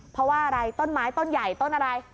เพราะว่าอะไรต้นไม้ต้นใหญ่ต้นอะไร